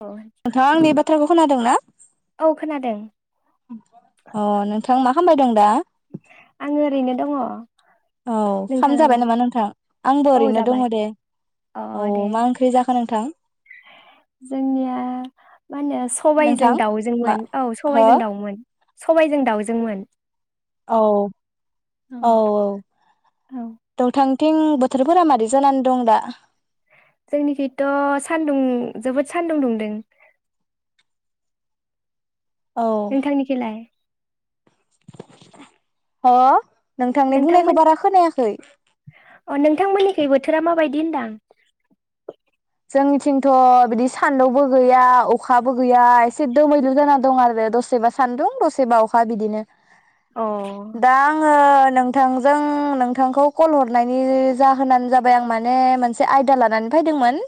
औ नोंथाङा आंनि बाथ्राखौ खोनादों ना औ खोनादों अ नोंथां मा खालामबाय दं दा? आं ओरैनो दङ। औ खाम जाबाय नोंथाङालाय नामा नोंथां आंबो औ ओरैनो दङ जाबाय दे औ दे मा ओंख्रि जाखो नोंथां जोंनिया मा होनो सबाइजों नोंथां मा दाउजोंमोन औ हो सबाइजों दाउमोन। सबायजों दाउजोंमोन। औ। औ औ औ द थां। थिं बोथोरफोरा मारै जानानै दं दा? जोंनिथिंथ जोबोद सानदुं जोबोद सानदुं दुंदों। औ नोंथांनि थिंलाय ह। नोंथांनि नोंथांमोन बुंनायखौ बारा खोनायाखै। अ नोंथांमोननिखै बोथोरा माबायदि होनदां? जोंनिथिंथ बिदि सान्दुंबो गैया अखा बो गैया एसे दोमैलु जानांगौ। दं आरो दसेबा सान्दुं दसेबा अखा बिदिनो अ दा आङो नोंथांजों नोंथांखौ कल हरनायनि जाहोनानो जाबाय आं माने मोनसे आयदा लानानै फैदोंमोन।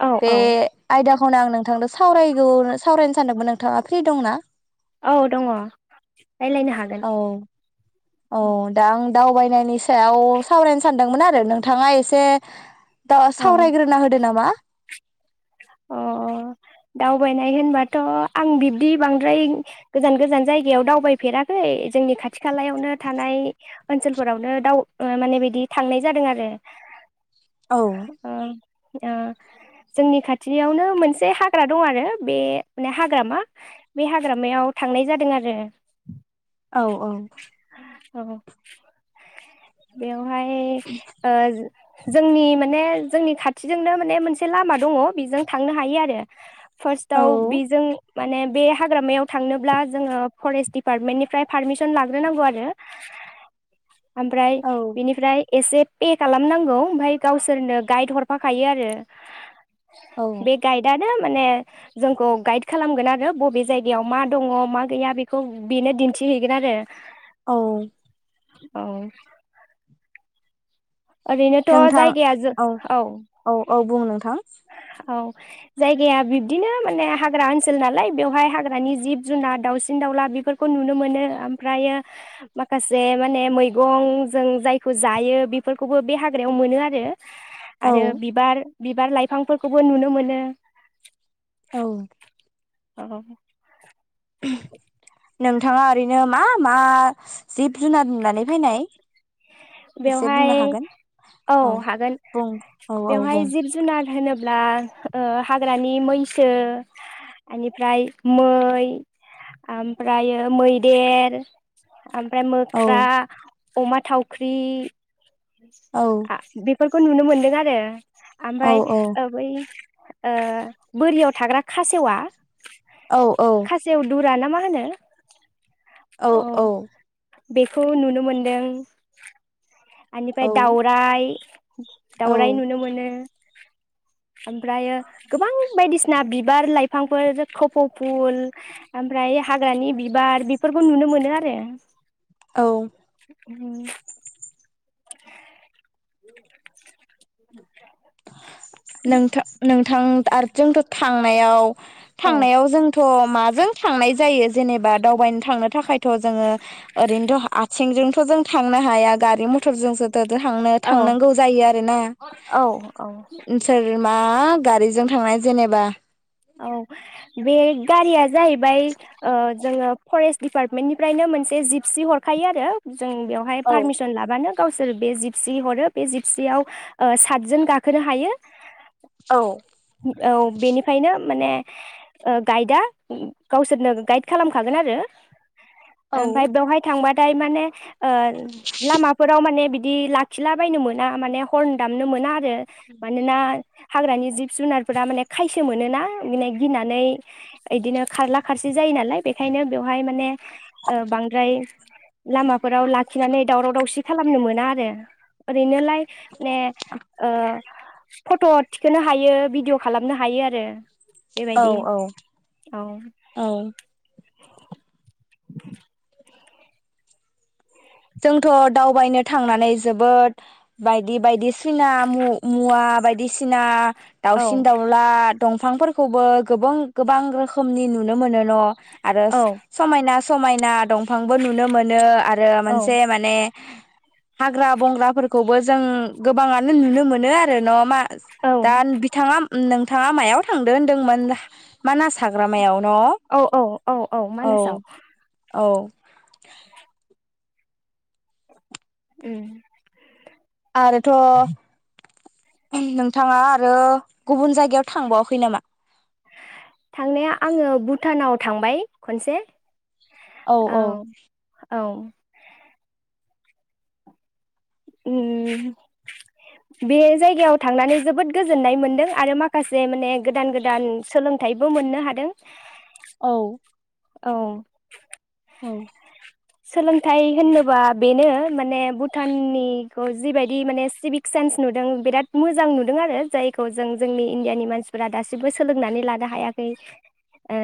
औ बे औ आयदा। औ आं नोंथां सावरायगौ सावरायनो सानदोंमोन नोंथाङा फ्रि दं ना? औ दङ। रायलायनो हागोन औ औ दा आं दावबायनायनि सायाव सावरायनो सान दोंमोन आरो नोंथाङा एसे दा औ सावरायग्रोना होदो नामा। अ दावबायनाय होनबाथ आं बिब्दि बांद्राय गोजान गोजान जायगायाव दावबायफेराखै जोंनि खाथि खालायावनो थानाय ओनसोलफोरावनो दाव माने बिदि थांनाय जादों आरो। औ आ जोंनि खाथि। खाथियावनो मोनसे हाग्रा दं आरो बे माने हाग्रामा बे हाग्रामायाव थांनाय जादों आरो। औ औ औ बे बेहाय ओ जोंनि माने जोंनि खाथिजोंनो माने मोनसे लामा दङ बेजों थांनो हायो आरो। औ फार्स्टआव बेजों माने बे हाग्रामायाव थांनोब्ला जोङो फरेस्ट दिडप्टमेन्टनिफ्राय फारमिसन लाग्रोनागोन आरो ओमफ्राय औ बिनिफ्राय एसे पे खालामनांगौ ओमफ्राय गावसोरनो गाइड हरफाखायो आरो औ बे गायदा नोम माने जोंखौ गाइड खालामगोन आरो बबे जायगायाव मा दङ मा गैया बेखौ बेनो दिन्थिहयो गोनआरो दे औ। औ ओरैनोथ' नोंथां जायगाया ज औ औ औ बुं नोंथां औ जायगाया बिब्दिनो माने हाग्रा ओनसोल नालाय बेवहाय हाग्रानि जिब जुनार दाावसिन दाउला बेफोरखौ नुनो मोनो ओमफ्रायो माखासे माने मैगं जों जायखौ जायो बिफ फोरखौबो बे हाग्रायाव मोनो आरो। औ आरो बिबार बिबार लाइफांफोरखौबो नुनो मोनो। औ अह उम नोंथाङा ओरैनो मा मा जिब जुनार नुनानै फैनाय एसे बेवहाय बुंनो हागोन औ हागोन बुं औ औ बेवहाय बुं जिब जुनार होनोबा ब्ला ओ हाग्रानि मैसो आनिफ्राय मै ओमफ्रायो मैदेर ओमफ्राय औ मोख्रा अमा थाव फुख्रि औ आ बेफोर बेखौ नुनो मोन्दों आरो औ ओमफ्राय ओ बैयो बोरियाव थाग्रा खासेवा औ औ दाना मा होनो औ औ बेखौ नुनो मोनदों। बेनिफ्राय औ दाउराइ दाउराइ औ नुनो मोनो। [inaudible] ओमफ्रायो गोबां बायदिसिना बिबार लाइफांफोर खफ फुल ओमफ्राय हाग्रानि बिबार बेफोरखौ नुनो मोनो आरो। औ उम [inaudible] नोंथां नोंथां आरो जोंथ' थांनायाव औ थांनायाव जोंथ' माजों थांनाय जायो जेनेबा दावबायनो थांनो थाखायथ जोङो ओरैनो आथिंजोंथ जों थांनो हाया गारि मथरजोंसो थांनो औ थांनांगौ जायो आरोना। औ नोंसोर मा गारिजों थांनाय जेनेबा औ बे गारिया जाहैबाय जोङो फरेस्ट दिडपार्टमेन्टनिफ्रायनो मोनसे जिपसि हरखायो आरो जों बेवहाय औ पारमिसन लाबानो गावसोर बे जिपसि हरो बे जिपसियाव ओ सातजोन गाखोनो हायो। औ औ बेनि माने गाइदआ गावसोरनो गाइद खालामखागोन आरो। औ ओमफ्राय बेवहाय थांबा दाय माने ओ लामाफोराव माने बि बिदि लाखिला बायनो मोना माने हरन दामनो मोना मानोना हाग्रानि जिब जुनारफोरा माने खाय फिनो मोनोना बिदिनो गिनानै बिदिनो खारला खारसि जायो नालाय बेखायनो बेवहाय माने ओ बांद्राय लामाफोराव लाखिनानै दावराव दावसि खालामनो मोना आरो ओरैनोलाय ने ओ फट थिखोनो हायो भिदिअ' खालामनो हायो आरो दे औ औ औ जोंथ' दावबायनो थांनानै जोबोद बायदि बायदिसिना मु-मुवा बायदिसिना औ दाउसिन-दाउला दंफांफोरखौबो गोबां गोबां रोखोमनि नुनो मोनो। [unintelligible] आरो औ समायना समाय ना दं फांबो नुनो मोनो आरो औ मानसि से माने हाग्रा बंग्राफोरखौबो जों गोबाङानो नुनो मोनो आरो न मा औ दा बिथाङा नोंथाङा मायाव थांदों होनदोंमोनबा? मानास हाग्रामायाव न' औ। औ औ औ मानासाव औ। उम आरोथ' नोंथाङा आरो गुबुन जायगायाव थांबावाखै नामा? थांनाया आङो भुटानाव थांबाय खनसे औ औ उम बे जायगायाव थांनानै जोबोद गोजोननाय मोनदों आरो माखासे माने गोदान गोदान सोलोंथाइबो मोननो हादों। औ औ औ। सोलोंथाइ होनोबा बेनो माने भुटाननिखौ जिबायदि माने सिभिक सेन्स नुदों बिराद मोजां नुदों आरो जायखौ जों जोंनि इण्डियानि मानसिफोरा दासिमबो सोलोंनानै लानो हायाखै।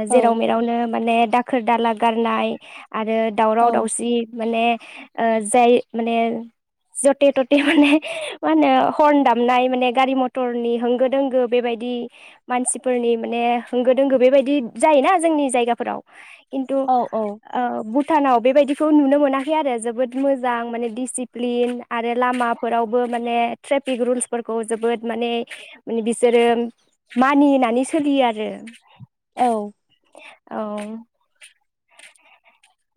औ जेराव मेरावनो माने दाखोर दाला गारनाय आरो दावराव औ दावसि माने ओ जाय माने जथे थथे माने मा होनो हरन दामनाय माने गारि मथरनि होंगो दोंगो बेबायदि मानसिफोरनि माने होंगो दोंगो बेबायदि जायोना जोंनि जायगाफोराव खिन्थु औ ओ बु भुटानाव बेबायदिखौ नुनो मोनाखै आरो जोबोद मोजां माने डिसिप्लिन आरो लामाफोरावबो माने ट्रेफिक रुल्सफोरखौ जोबोद माने माने बिसोरो मानिनानै सोलियो आरो। औ औ।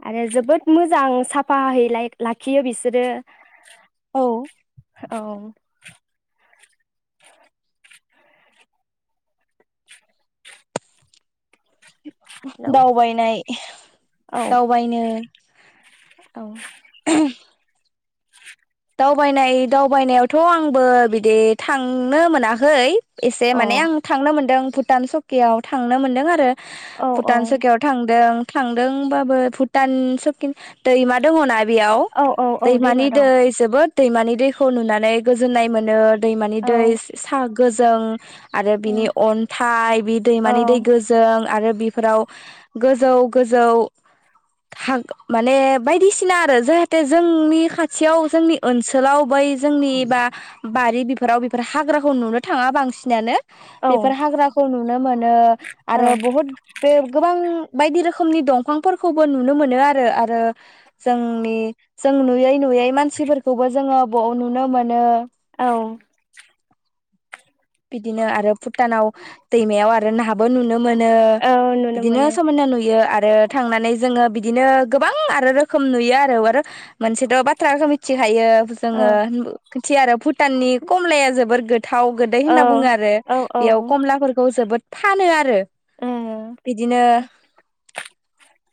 आरो जोबोद मोजां साफायै लाखियो बिसोरो। औ। औ औ [inaudible] दावबायनाय दावबायनो औ। दावबायनाय दावबायनायावथ' आंबो बिदि थांनो मोनाखै। एसे औ माने आं थांनो मोनदों भुटान सकेयाव थांनो मोनदों आरो। औ भुटान सकियाव थांदों। थांदोंबाबो भुटान सकिं दैमा दङना? बेयाव औ औ औ दैमानि दैमा दं दै बोद दैमानि दैखौ नुनानै गोजोननाय मोनो। दैमानि दै औ सा गोजों आरो औ बिनि अन्थाइ बि औ दैमानि दै गोजों आरो बिफोराव गोजौ गोजौ खाग माने बायदिसिना आरो जाहाथे जोंनि खाथियाव जोंनि ओनसोलाव बै जोंनि बा बारि बिफोराव बेफोर हाग्राखौ नुनो थाङा बांसिनानो औ बेफोर हाग्राखौ नुनो मोनो आरो बहुत बे गोबां, बायदि रोखोमनि दंफांफोरखौबो नुनो मोनो आरो आरो जोंनि जों नुयै नुयै मान सिफोरखौबो जोङो बव नुनो मोनो। औ बिदिनो आरो भुटानाव दैमायाव आरो नाहाबो नुनो मोनो औ नुनो बिदिनो मोनो समायना नुयो आरो थांनानै जोङो बि दिनो गोबां आरो रोखोम नुयो आरो आरो मोनसेथ' बाथ्राखो मिथि थायो औ जोङो थि आरो भुटाननि कमलाया जोबोर गोथाव। गोदै औ होनना बुङो आरो औ औ बेयाव कमलाफोरखौ जोबोद फानो आरो औ बिदिनो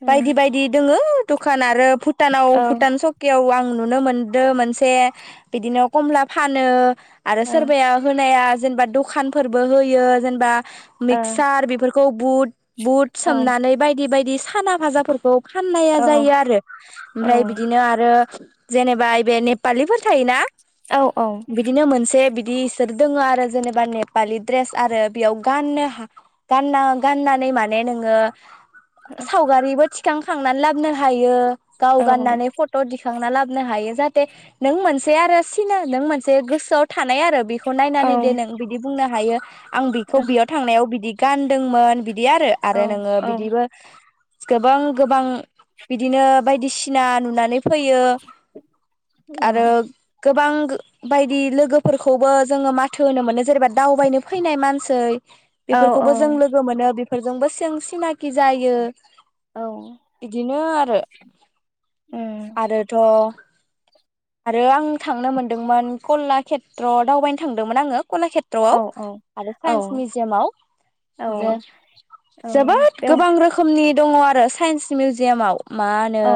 औ बायदि बायदि दोङो। दखान आरो भु टानाव औ भुटान सकायाव आं नुनो मोनदो मोनसे बिदिनो कमला फानो आरो सोरबाया या जेनबा दखानफोरबो होयो जेनबा मिकसार बेफोरखौ बुद बुद सोमनानै बायदि बायदि साना भाजाफोरखौ फाननाया जायो आरो ओमफ्राय बिदिनो आरो जेनेबा बे नेपालिफोर थायोना? औ बिदिनो मोनसे बिस सोर दोङो आरो जेनेबा नेपालि द्रेस आरो बेयाव गाननो हा गानना गाननानै माने नोङो सावगारिबो थि थिखांखांनानै लाबोनो हायो। गाव गाननानै फथ' दि खांना लाबोनो हायो जाहाथे नों मोनसे आरो सिना नों मोनसे गोसोआव थानाय आरो बेखौ खौ नायनानै दे नों बिदि बुंनो हायो। आं बिखौ बेयाव थांनायाव बिदि गानदोंमोन बि बिदि आरो आरो नोङो बिदिबो गोबां गोबां बिदिनो बायदिसिना नुनानै फैयो आरो गोबां बायदि लोगोफोरखौबो जोङो माथो होनो मोनो जेनेबा दावबायनो फैनाय मानसै। बेफोरखौबो जों लोगो मोनो। फोरजोंबो जों सिनाखि जायो। बिदिनो आरो आरोथ' आरो आं थांनो मोनदोंमोन कलाक्षेत्र दावबाय थांदोंमोन आङो। कलाक्षेत्रआव आरो साइन्स मिउजियामाव औ जे औ जोबोद बेवहाय गोबां रोखोमनि दङ आरो साइन्स मिउजियामाव। मा होनो औ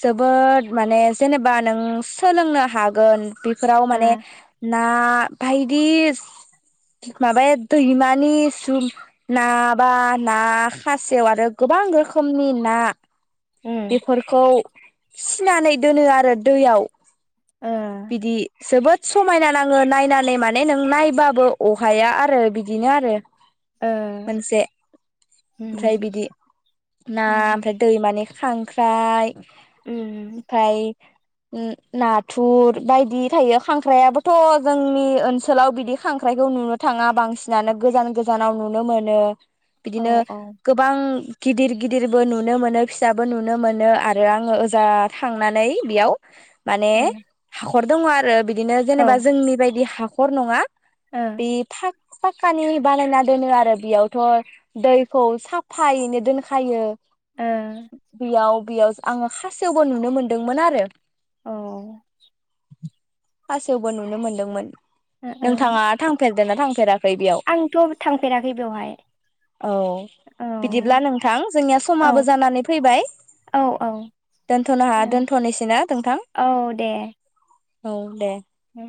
जोबोद माने जेनेबा नों सोलोंनो हागोन बे फोराव माने आ ना बायदि सि माबा दैमानि नाबा ना खासेव आरो गोबां रोखोमनि ना उम बेफोरखौ सिनानै दोनो आरो दैयाव। ओ बिदि जोबोद समायना नाङो नायनानै माने नों नायबाबो अहाया आरो बिदिनो आरो ओ मोनसे ओमफ्राय उम बिदि ना उम ओमफ्राय दैमानि खांख्राइ उम ओमफाय उम नाथ थुर बायदि थायो खांख्राइयाबोथ' जोंनि ओनसोलाव बिदि खांख्राइखौ नुनो थाङा बांसिनानो गोजान गोजानाव नुनो मोनो। औ बिदिनो औ ओ गोबां गिदिर गिदिरबो नुनो मोनो फिसाबो नुनो मोनो आरो आङो ओजा थांनानै बेयाव माने हाखर दङ आरो दिनो औ ओ जेनेबा जोंनि बायदि हा खर नङा। बे फा फाक्कानि बानायना दोनो आरो बेयावथ' दैखौ साफायैनो दोनखायो। औ बेयाव बेयाव आङो खासेवबो नुनो मोनदोंमोन आरो। औ खासेवबो नुनो मोनदोंमोन। ओ नोंथाङा थांफेर दोना थांफेरा फ्राय बेयाव बेयाव आंथ' थांफेराखै बेवहाय औ औ बिदिब्ला नोंथां जोंनिया औ समाबो जानानै फैबाय। औ औ दोनथ'नो हा ओ, दोनथ'नोसै ना नोंथां? औ दे। ओ